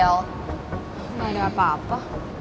gak ada apa apa